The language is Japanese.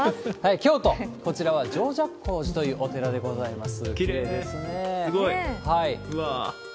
京都、こちらは常寂光寺というお寺でございます。